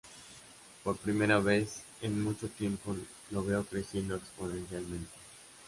Por primera vez en mucho tiempo lo veo creciendo exponencialmente.